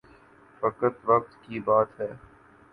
فقط وقت کی بات ہے۔